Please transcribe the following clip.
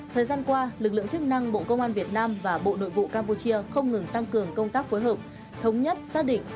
thời gian qua lực lượng chức năng bộ công an việt nam và bộ nội vụ campuchia không ngừng tăng cường công tác phối hợp thống nhất xác định